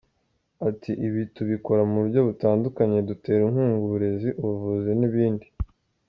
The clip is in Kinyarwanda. Ati ‘’ Ibi tubikora mu buryo butandukanye ; dutera inkunga uburezi, ubuvuzi n’ibindi.